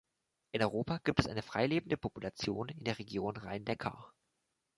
In Europa gibt es eine freilebende Population in der Region Rhein-Neckar.